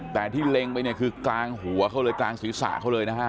แต่ที่เล็งไปเนี่ยคือกลางหัวเขาเลยกลางศีรษะเขาเลยนะฮะ